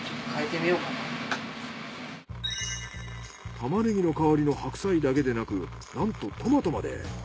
タマネギの代わりの白菜だけでなくなんとトマトまで。